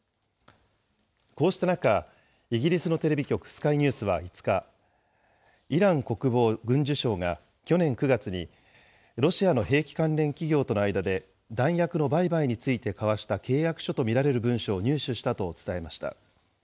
こうした中、イギリスのテレビ局、スカイニュースは５日、イラン国防軍需省が去年９月にロシアの兵器関連企業との間で弾薬の売買について交わした契約書と見られる文書を入手したと伝えました。